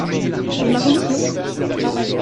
C’est ma condition !